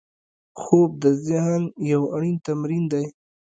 خوب د ذهن یو اړین تمرین دی